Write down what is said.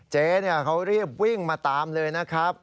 เจ๊เขารีบวิ่งมาตามเลยนะครับ